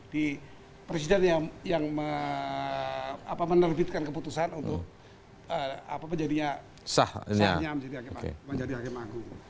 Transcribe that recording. di presiden yang menerbitkan keputusan untuk menjadi sahnya menjadi hakim agung